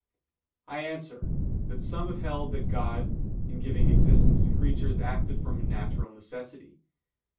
I answer that, Some have held that God, in giving existence to creatures, acted from natural necessity.